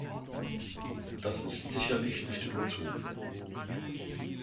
Das ist sicherlich nicht überzogen.